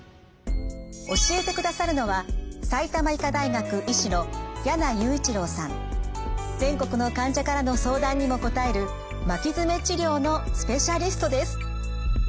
教えてくださるのは全国の患者からの相談にも答える巻き爪治療のスペシャリストです。